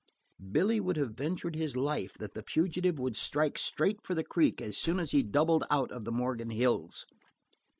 Billy would have ventured his life that the fugitive would strike straight for the Creek as soon as he doubled out of Morgan Hills.